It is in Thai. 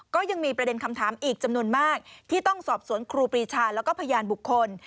ก็ยังมีประเด็นคำถามอีกจำนวนมากที่ต้องสอบสวนครูปรีชาแล้วก็พยานบุคคล